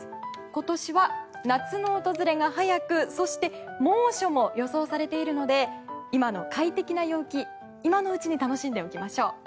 今年は夏の訪れが早くそして猛暑も予想されているので今の快適な陽気今のうちに楽しんでおきましょう。